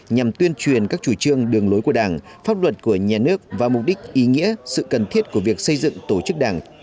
nhằm tuyên truyền các chủ trương đường lối của đảng pháp luật của nhà nước và mục đích ý nghĩa sự cần thiết của việc xây dựng tổ chức đảng